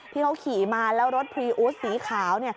ที่เขาขี่มาแล้วรถพรีอูสสีขาว